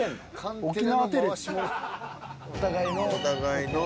お互いの。